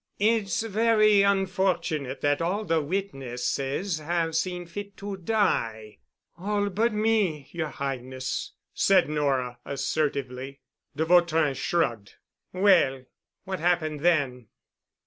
"It's very unfortunate that all the witnesses have seen fit to die." "All but me, yer Highness," said Nora assertively. De Vautrin shrugged. "Well. What happened then?"